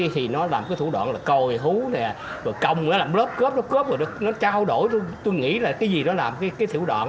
thì nó làm cái thủ đoạn là còi hú còng lốp cốp nó trao đổi tôi nghĩ là cái gì đó làm cái thủ đoạn